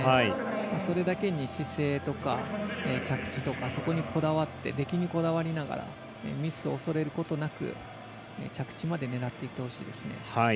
それだけに姿勢とか着地とかそこにこだわって出来にこだわりながらミスを恐れずに着地まで狙っていってほしいですね。